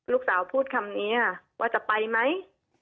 ลูกสาวพูดคำนี้ว่าจะไปไหม